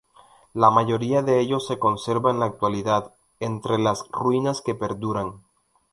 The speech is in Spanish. La mayoría de ellos se conserva en la actualidad, entre las ruinas que perduran.